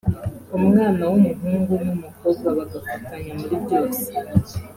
umwana w’umuhungu n’umukobwa bagafatanya muri byose